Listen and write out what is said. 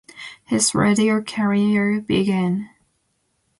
His radio career began.